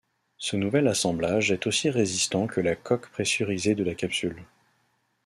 Ce nouvel assemblage est aussi résistant que la coque pressurisée de la capsule.